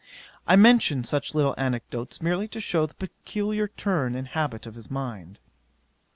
I mention such little anecdotes, merely to shew the peculiar turn and habit of his mind.